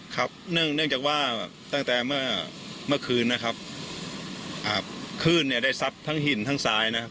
ครับเนื่องจากว่าตั้งแต่เมื่อเมื่อคืนนะครับอ่าคลื่นเนี่ยได้ซับทั้งหินทั้งซ้ายนะครับ